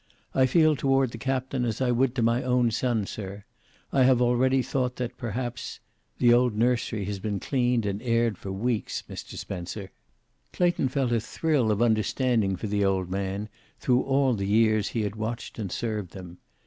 "I feel toward the Captain as I would to my own son, sir. I have already thought that perhaps the old nursery has been cleaned and aired for weeks, Mr. Spencer." Clayton felt a thrill of understanding for the old man through all the years he had watched and served them.